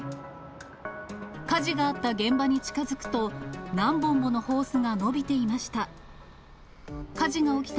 火事があった現場に近づくと、何本ものホースが伸びていました。